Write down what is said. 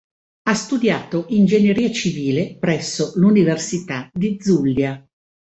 Ha studiato ingegneria civile presso l'Università di Zulia.